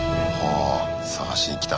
あ探しに来た。